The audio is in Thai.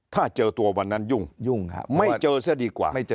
ถ้าเจอตัววันนั้นยุ่งยุ่งไม่เจอซะดีกว่า